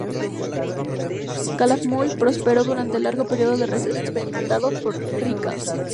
Calakmul prosperó, durante el largo período de receso experimentado por Tikal.